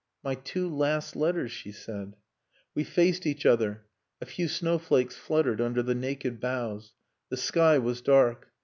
"My two last letters," she said. We faced each other. A few snow flakes fluttered under the naked boughs. The sky was dark.